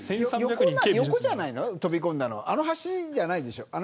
横じゃないの、飛び込んだのはあの橋じゃないでしょ。